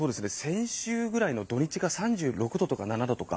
先週ぐらいの土日が３６度とか３７度とか。